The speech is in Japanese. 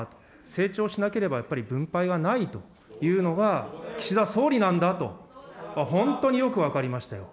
成長しなければやっぱり、分配はないというのが、岸田総理なんだと、本当によく分かりましたよ。